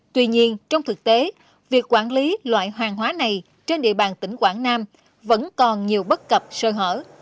tuy nhiên trong thực tế việc quản lý loại hoàng hóa này trên địa bàn tỉnh quảng nam vẫn còn nhiều bất cập sơ hở